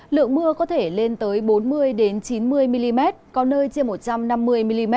lượng mưa có thể lên tới bốn mươi chín mươi mm có nơi trên một trăm năm mươi mm